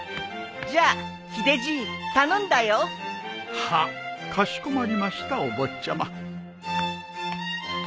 じゃあヒデじい頼んだよ。はっかしこまりましたお坊ちゃま。